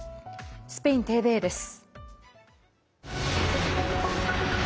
スペインＴＶＥです。